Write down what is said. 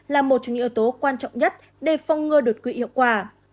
là một trong những yếu tố quan trọng nhất để phong ngừa đột quỵ hiệu quả